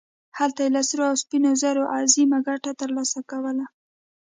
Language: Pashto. هلته یې له سرو او سپینو زرو عظیمه ګټه ترلاسه کوله.